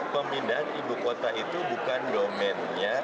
pemindahan ibu kota itu bukan domennya